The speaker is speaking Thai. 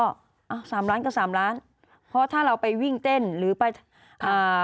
อ้าวสามล้านกับสามล้านเพราะถ้าเราไปวิ่งเต้นหรือไปอ่า